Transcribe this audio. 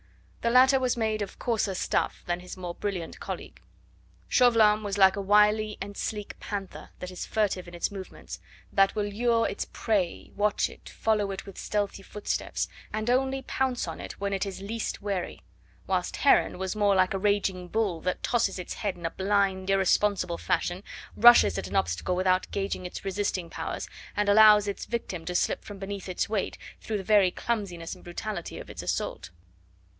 The latter was made of coarser stuff than his more brilliant colleague. Chauvelin was like a wily and sleek panther that is furtive in its movements, that will lure its prey, watch it, follow it with stealthy footsteps, and only pounce on it when it is least wary, whilst Heron was more like a raging bull that tosses its head in a blind, irresponsible fashion, rushes at an obstacle without gauging its resisting powers, and allows its victim to slip from beneath its weight through the very clumsiness and brutality of its assault.